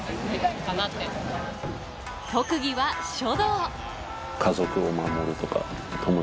特技は書道。